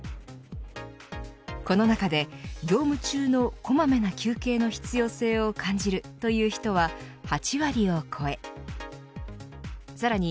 この中で業務中の小まめな休憩の必要性を感じるという人は８割を超えさらに